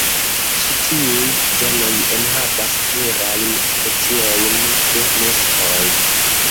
Ĉi tiuj zonoj enhavas plurajn speciojn de muskoj.